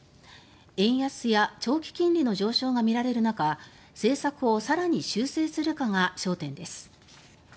円安や長期金利の上昇が見られる中政策を更に修正するかが焦点です。